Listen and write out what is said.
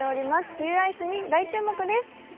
冬アイスに大注目です。